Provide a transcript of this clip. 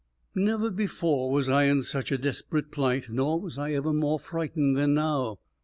_ Never before was I in such a desperate plight, nor was I ever more frightened than now.